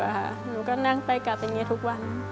ต้องนั่งไปกลับเป็นอย่างนี้ทุกวัน